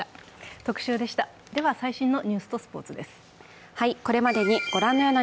では最新のニュースとスポーツです。